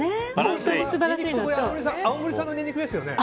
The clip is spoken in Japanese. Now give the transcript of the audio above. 青森産のニンニクですよね。